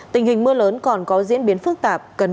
tình hình mưa lớn còn có diễn biến phức tạp